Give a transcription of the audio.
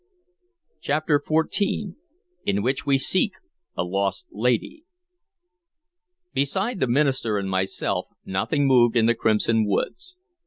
CHAPTER XIV IN WHICH WE SEEK A LOST LADY BESIDE the minister and myself, nothing human moved in the crimson woods.